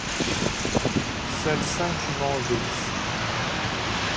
Seules cinq juments obéissent.